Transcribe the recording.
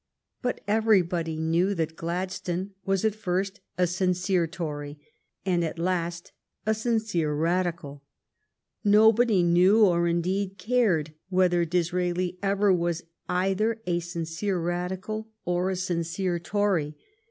But everybody knew that Gladstone was at first a sincere Tory, and at last a sincere Radical. Nobody knew, or, indeed, cared, whether Disraeli ever was either a sincere Radical or a sincere Tory.